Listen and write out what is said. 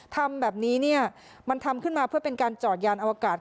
ทำแบบนี้เนี่ยมันทำขึ้นมาเพื่อเป็นการจอดยานอวกาศ